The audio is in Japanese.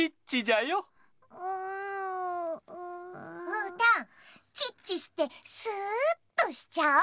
うーたんチッチしてスーっとしちゃおう。